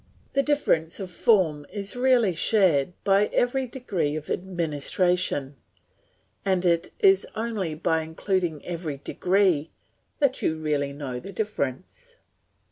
The difference of form is really shared by every degree of the administration, and it is only by including every degree that you really know the difference.